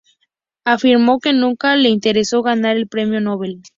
Afirmó que nunca le interesó ganar el Premio Nobel.